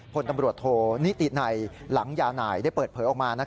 พลตำรวจโทนิตินัยหลังยานายได้เปิดเผยออกมา